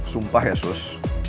sumpah ya sus